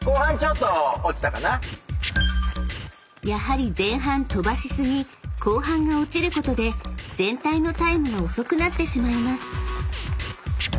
［やはり前半飛ばし過ぎ後半が落ちることで全体のタイムが遅くなってしまいます］